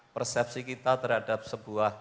persepsi kita terhadap sebuah